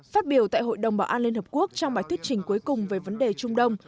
phát biểu tại hội đồng bảo an liên hợp quốc trong bài thuyết trình cuối cùng về vấn đề trung đông